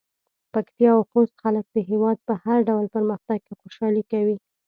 پکتيا او خوست خلک د هېواد په هر ډول پرمختګ کې خوشحالي کوي.